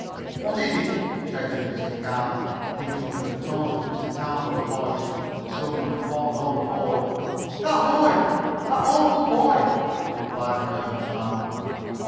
"What is it?" shouted Mr. Carr, thinking from the tones of Mr. Tarbill's voice some one had fallen overboard. "That boy! That awful boy!" replied the nervous man.